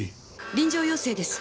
臨場要請です。